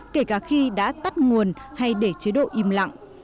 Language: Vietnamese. kể cả khi đã tắt nguồn hay để chế độ im lặng